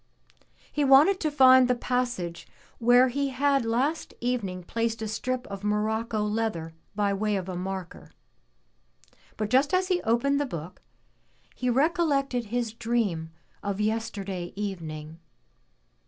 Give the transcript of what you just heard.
He wanted to find the passage where he had last evening placed a strip of morocco leather by way of a marker. But just as he opened the book, he recollected his dream of yesterday evening.